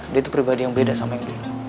dia tuh pribadi yang beda sama yang dulu